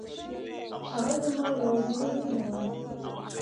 هغه زما يوازينی مینه وه.